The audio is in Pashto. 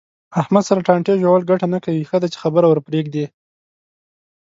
احمد سره ټانټې ژول گټه نه کوي. ښه ده چې خبره ورپرېږدې.